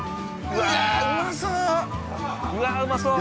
うわうまそう